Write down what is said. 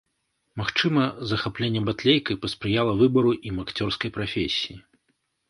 Магчыма, захапленне батлейкай паспрыяла выбару ім акцёрскай прафесіі.